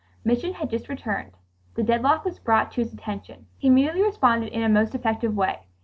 Mission, had just returned. The deadlock was brought to his attention. He immediately responded in a most effective way.